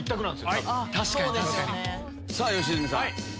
さぁ良純さん。